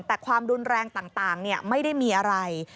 แต่ความรุนแรงต่างไม่ได้มีอะไร